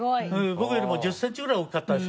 僕よりも１０センチぐらい大きかったですから。